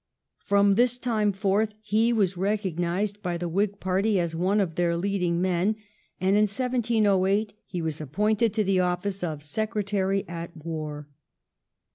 From this time forth he was recognised by the Whig Party as one of their leading men, and in 1708 he was appointed to the office of Secretary at War.